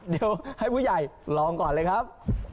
เดี๋ยวให้ผู้ใหญ่ลองก่อนเลยครับ